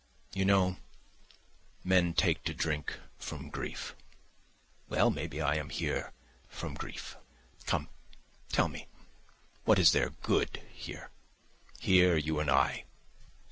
You know, men take to drink from grief; well, maybe I am here from grief. Come, tell me, what is there good here? Here you and I